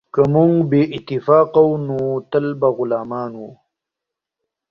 که موږ بې اتفاقه وو نو تل به غلامان وو.